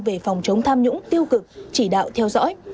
về phòng chống tham nhũng tiêu cực chỉ đạo theo dõi